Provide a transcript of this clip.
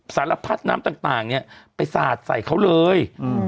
สารพัดน้ำต่างเนี่ยไปสาดใส่เขาเลย